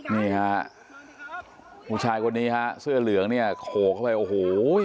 นี่ฮะผู้ชายคนนี้ฮะเสื้อเหลืองเนี่ยโขกเข้าไปโอ้โห